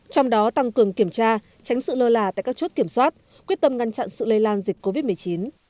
trong đó tăng cường kiểm tra tránh sự lơ là tại các chốt kiểm soát quyết tâm ngăn chặn sự lây lan dịch covid một mươi chín